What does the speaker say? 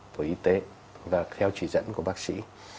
của y tế và theo chỉ dẫn của bác sĩ